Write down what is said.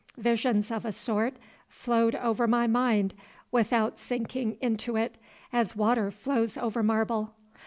Visions of a sort flowed over my mind without sinking into it, as water flows over marble.